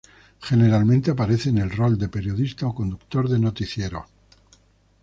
Generalmente, aparece en el rol de periodista o conductor de noticiero.